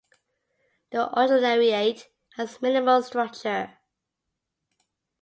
The Ordinariate has minimal structure.